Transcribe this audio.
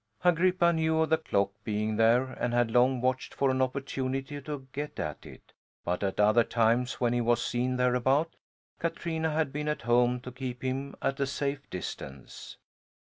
Agrippa knew of the clock being there and had long watched for an opportunity to get at it, but at other times when he was seen thereabout, Katrina had been at home to keep him at a safe distance.